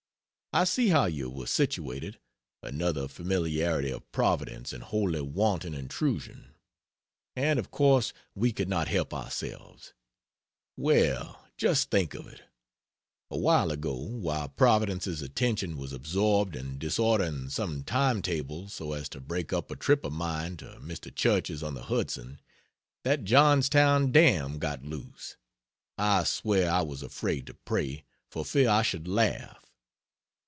I see how you were situated another familiarity of Providence and wholly wanton intrusion and of course we could not help ourselves. Well, just think of it: a while ago, while Providence's attention was absorbed in disordering some time tables so as to break up a trip of mine to Mr. Church's on the Hudson, that Johnstown dam got loose. I swear I was afraid to pray, for fear I should laugh.